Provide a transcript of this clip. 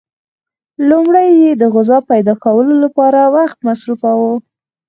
لومړی یې د غذا پیدا کولو لپاره وخت مصرفاوه.